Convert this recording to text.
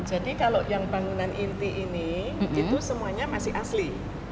jadi kalau yang bangunan inti ini itu semuanya masih asli